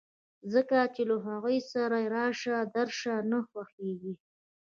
ځکه چې له هغوی سره یې راشه درشه نه خوښېږي